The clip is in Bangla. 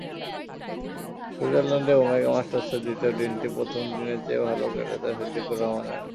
সুইজারল্যান্ডে ওমেগা মাস্টার্সের দ্বিতীয় দিনটি প্রথম দিনের চেয়ে ভালো কেটেছে সিদ্দিকুর রহমানের।